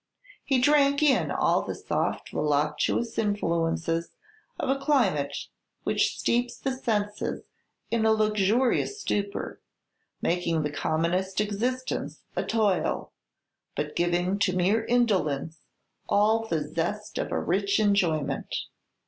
He drank in all the soft voluptuous influences of a climate which steeps the senses in a luxurious stupor, making the commonest existence a toil, but giving to mere indolence all the zest of a rich enjoyment.